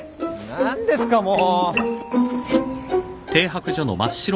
何ですかもう。